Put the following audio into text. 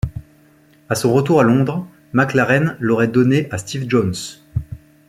À son retour à Londres, McLaren l'aurait donnée à Steve Jones.